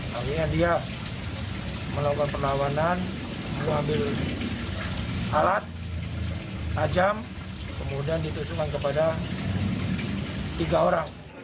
akhirnya dia melakukan perlawanan mengambil alat tajam kemudian ditusukkan kepada tiga orang